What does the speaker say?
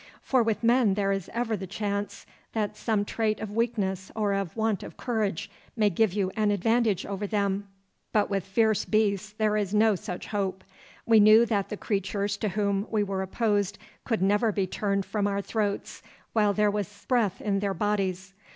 For with men there is ever the chance that some trait of weakness or of want of courage may give you an advantage over them, but with fierce beasts there is no such hope. We knew that the creatures to whom we were opposed could never be turned from our throats while there was breath in their bodies.